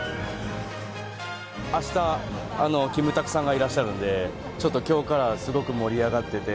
あした、キムタクさんがいらっしゃるんで、ちょっときょうからすごく盛り上がってて。